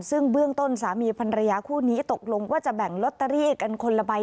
ซึ่งเบื้องต้นสามีพันรยาคู่นี้ตกลงว่าจะแบ่งลอตเตอรี่กันคนละใบ